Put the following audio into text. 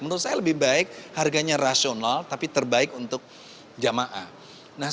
menurut saya lebih baik harganya rasional tapi terbaik untuk jamaah